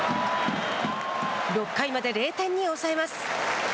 ６回まで０点に抑えます。